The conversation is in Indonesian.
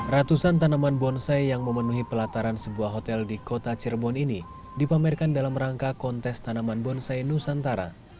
ratusan tanaman bonsai yang memenuhi pelataran sebuah hotel di kota cirebon ini dipamerkan dalam rangka kontes tanaman bonsai nusantara